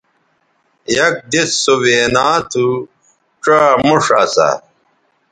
یک دِس سو وینا تھو ڇا موݜ اسا